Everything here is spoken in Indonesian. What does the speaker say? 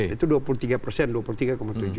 itu dua puluh tiga persen